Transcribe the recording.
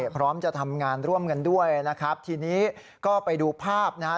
พร้อมจะทำงานร่วมกันด้วยนะครับทีนี้ก็ไปดูภาพนะฮะ